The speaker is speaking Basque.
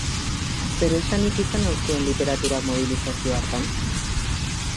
Zeresanik izan al zuen literaturak mobilizazio hartan?